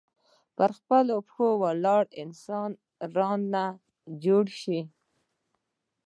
پر خپلو پښو ولاړ انسان رانه جوړ شي.